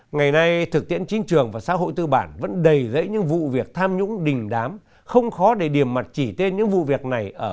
ngày nay thực tiễn chính trường và xã hội tư bản vẫn đầy rễ những vụ việc tham nhũng đình đám không khó để điểm mặt chỉ tên những vụ việc này ở mỹ anh pháp đức